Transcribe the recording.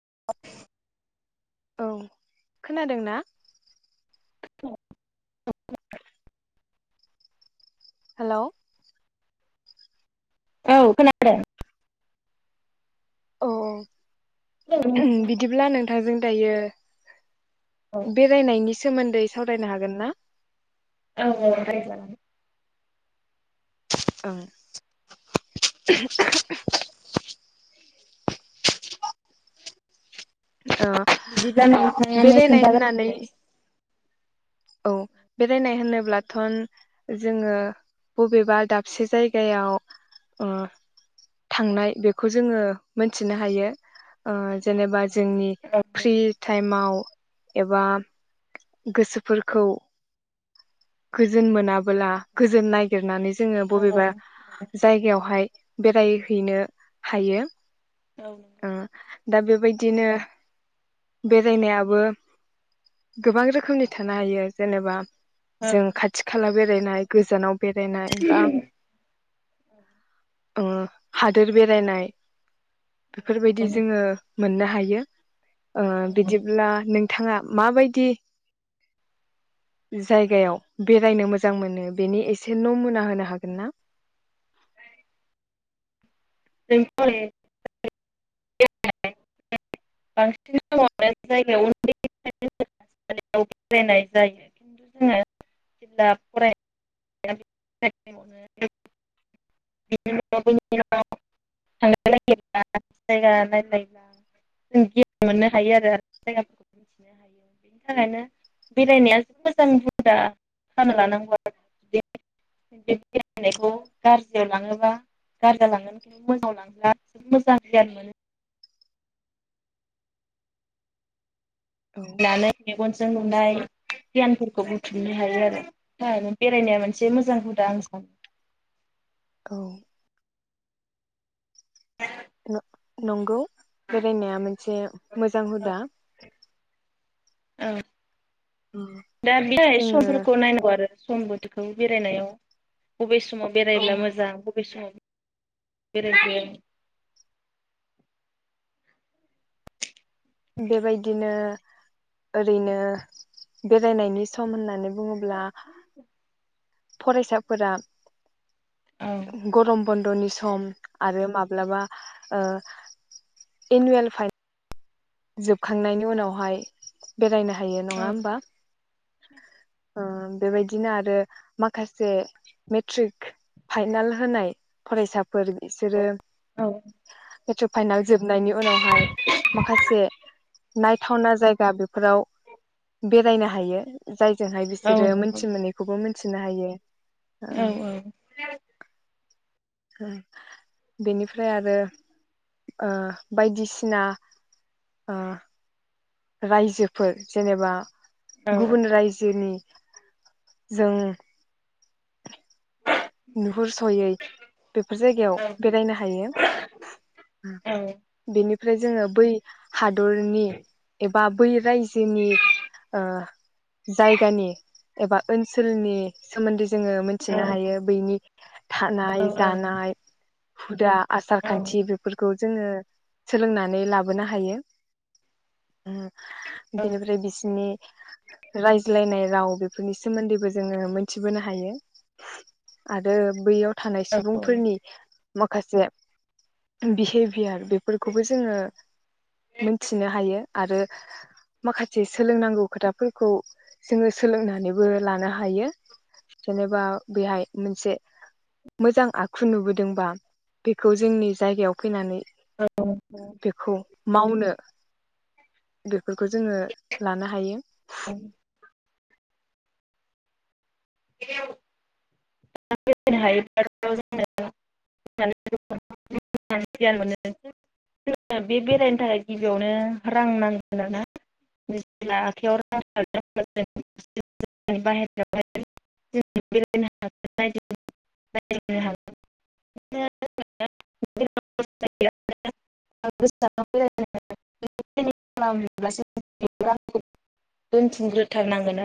[inaudible] औ खोनादों ना [unintelligible] हेलौ औ खोनादों अ औ बिदिब्ला नों नोंथांजों दायो बेरायनायनि सोमोन्दै सावरायनो हागोन ना औ औ सावरायजागोन औ ओ बिदिब्ला नोंथाङा नो बेरायनाय खोनथाग्रोदो होननानै दे औ बेरायनाय होनोब्लाथ' जोङो बबेबा दाबसे जायगायाव ओ थांनाय बेखौ जोङो मोनथिनो हायो ओ जेनेबा जोंनि औ फ्रि टाइमाव एबा गोसोफोर खौ गोजोन मोनाबोला गोजोन नागिरनानै जोङो बबेबा जायगायावहाय बेरायहैनो हायो औ नंगौ ओ दा बेबायदिनो बेरायनायाबो गोबां रोखोमनि था नो हायो जेनेबा औ जों खाथि खाला बे रायनाय गोजानाव बेरायनाय बा ओ हादोर बेरायनाय बेफोरबायदि जोङो मोननो हायो ओ बिदिब्ला नोंथाङा माबायदि जायगायाव बेरायनो मोजां मोनो बेनि एसे न' मुना होनो हागोन ना [unintelligible] [unintelligible] मोजां [inaudible] लांब्ला [inaudible] मोजां [inaudible] गियान [inaudible] मोनो औ [unintelligible] मेगनजों नुनाय गियानफोरखौ बुथुमनो हायो आरो बेनि थाखायनो बेरायनाया मोनसे मोजां हुदा आं सानो औ [inaudible] नंगौ बेरायनाया मोनसे मोनसे मोजां हुदा औ दा बेनि थाखाय जोङो समफोरखौ नायनांगौ आरो सम बोथोरखौ बेरायनायाव बबे सम समाव औ बेरायब्ला मोजां बबे समाव बेरायगोन बेबायदिनो ओरैनो बेरायनायनि सम होननानै बुङोब्ला फरायसाफोरा औ गरम बन्द'नि सम आरो माब्लाबा ओ एनुयेल फाइनेल जोबखांनायनि उनावहाय बेरायनो हायो। हायो नङा होमबा? ओ बेबायदिनो आरो माखासे मेट्रिक औ मेट्रिक बागै फाइनल जोब नायनि उनावहाय मा नायथावना जायगा बेफोराव बेरायनो हायो जाय जोंहाय औ बिसोरो नंगौ मोनथि मोनैखौबो मोन थिनो हायो ओ औ औ [unintelligible] बेनिफ्राय आरो ओ बायदिसिना अ रायजोफोर जेनेबा औ गुबुन रायजोनि जों नुहुरसयै बेफोर जायगायाव बेरायनो हायो औ बेनि ओमफ्राय जोङो बै हादरनि एबा बै रायजोनि ओ जायगानि एबा ओनसोलनि सोमोन्दै जोङो औ मिथिनो हायो। बैनि थानाय जानाय हुदा आसार औ खान्थि बेफोरखौ जोङो सोलोंनानै लाबोनो हायो। बिनिफ्राय बिसिनि रायज्लायनाय राव बेफोरनि सोमोन्दैबो जोङो मोनथिबोनो हायो। आरो बैयाव थानाय सुबुंफोरनि माखासे बिहेभ प्यार बेफोरखौबो जोङो मोनथिनो हायो। आरो माखासे सोलोंनांगौ खोथाफोरखौ जोङो सोलोंनानैबो लानो हायो जेनेबा बेहाय। मोनसे मोजां आखु नुबोदोंबा बेखौ जोंनि जायगायाव फैनानै बेखौ मावनो [unintelligible] फोरखौ जोङो लानो हायो। होनो [unintelligible] रायनो हायोब्ला जियान मोनो बे बेरायनो थाखाय गिबियावनो रां नांगोन आरोना जेब्ला आखयाव रांथागोन [unintelligible]